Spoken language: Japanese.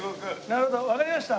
なるほどわかりました。